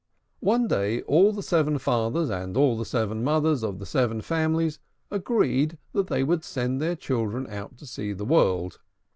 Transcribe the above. One day all the seven fathers and the seven mothers of the seven families agreed that they would send their children out to see the world.